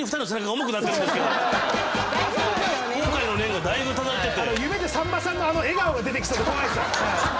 後悔の念がだいぶ漂ってて。